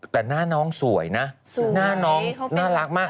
แต่หน้าน้องสวยนะหน้าน้องน่ารักมาก